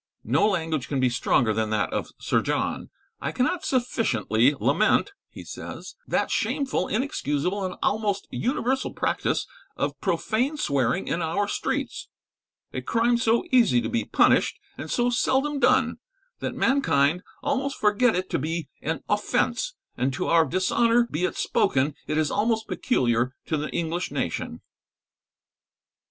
No language can be stronger than that of Sir John "I cannot sufficiently lament," he says "that shameful, inexcusable and almost universal practice of profane swearing in our streets; a crime so easy to be punished, and so seldom done, that mankind almost forget it to be an offence, and to our dishonour be it spoken, it is almost peculiar to the English nation."